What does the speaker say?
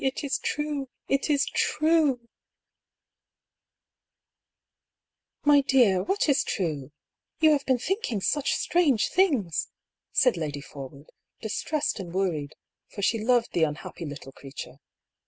It is true !— it is true /"" My dear, what is true ? You have been thinking such strange things!" said Lady Forwood, distressed and worried, for she loved the unhappy little creature.